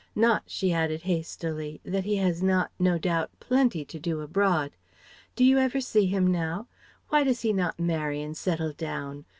Not," (she added hastily) "that he has not, no doubt, plenty to do abroad. Do you ever see him now? Why does he not marry and settle down?